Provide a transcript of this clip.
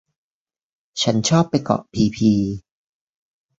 ฉันชอบไปเกาะพีพี